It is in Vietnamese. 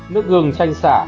nước gừng chanh sả